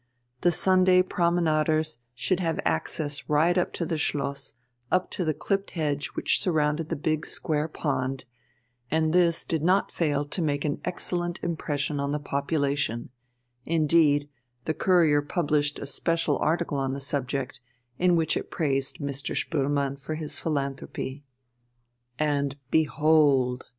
The Sunday promenaders should have access right up to the Schloss, up to the clipped hedge which surrounded the big square pond and this did not fail to make an excellent impression on the population; indeed, the Courier published a special article on the subject, in which it praised Mr. Spoelmann for his philanthropy. And behold!